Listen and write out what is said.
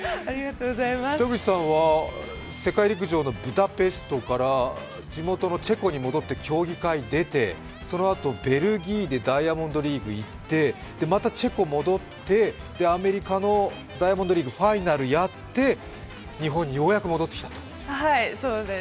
北口さんは世界陸上のブダペストから地元のチェコに戻って競技会に出てそのあと、ベルギーでダイヤモンドリーグ行ってで、またチェコに戻ってアメリカのダイヤモンドリーグファイナルやって、ようやく日本に戻ってきたと。